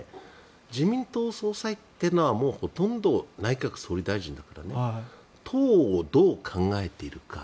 自民党総裁ってのはほとんど内閣総理大臣だから党をどう考えているか。